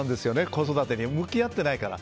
子育てに向き合ってないから。